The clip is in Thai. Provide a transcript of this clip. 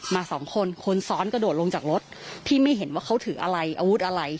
มาสองคนคนซ้อนกระโดดลงจากรถพี่ไม่เห็นว่าเขาถืออะไรอาวุธอะไร